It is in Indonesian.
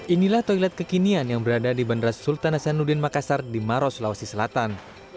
inilah toilet kekinian yang berada di bandara sultan hasanuddin makassar di maros sulawesi selatan